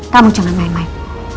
kamu jangan main main